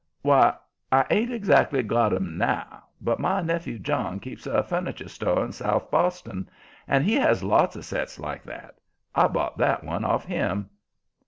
"Why, I ain't exactly got 'em now, but my nephew John keeps a furniture store in South Boston, and he has lots of sets like that. I bought that one off him."